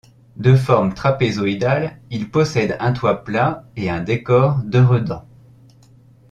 De forme trapézoïdale, ils possèdent un toit plat et un décor de redans.